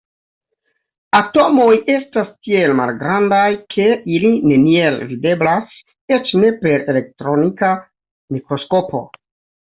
Atomoj estas tiel malgrandaj, ke ili neniel videblas, eĉ ne per elektronika mikroskopo.